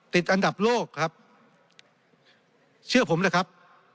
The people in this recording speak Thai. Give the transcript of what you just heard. ติดอันดับโลกครับเชื่อผมนะครับ